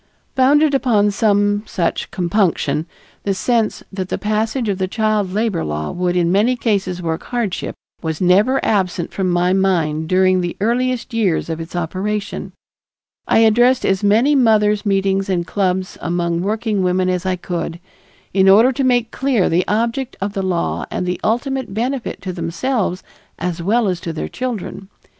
Founded upon some such compunction, the sense that the passage of the child labor law would in many cases work hardship, was never absent from my mind during the earliest years of its operation. I addressed as many mothers' meetings and clubs among working women as I could, in order to make clear the object of the law and the ultimate benefit to themselves as well as to their children.